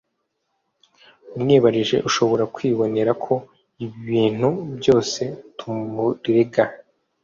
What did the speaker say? umwibarije ushobora kwibonera ko ibi bintu byose tumurega